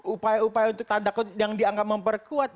upaya upaya untuk tanda kutip yang dianggap memperkuat